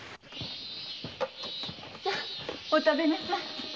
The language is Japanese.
さぁお食べなさい。